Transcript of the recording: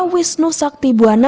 wisnu sakti buana